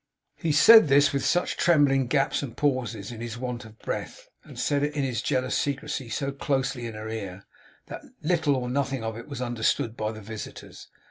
He said this with such trembling gaps and pauses in his want of breath, and said it in his jealous secrecy so closely in her ear, that little or nothing of it was understood by the visitors.